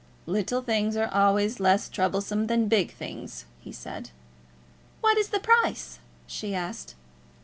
"Little things are always less troublesome than big things," he said. "What is the price?" she asked.